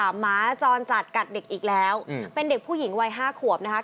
หมาจรจัดกัดเด็กอีกแล้วเป็นเด็กผู้หญิงวัย๕ขวบนะคะ